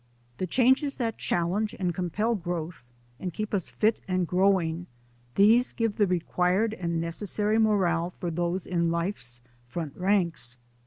The changes that challenge and compel growth and keep us fit and growing, these give the required and necessary morale for those in life's front ranks.